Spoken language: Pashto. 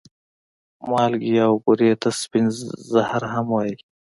مالګې او بورې ته سپين زهر هم وايې